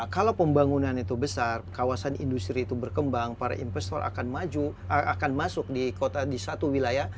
kalau pembangunan itu besar kawasan industri itu berkembang para investor akan masuk di satu wilayah